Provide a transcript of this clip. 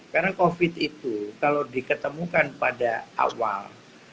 karena covid itu kalau diketemukan pada awal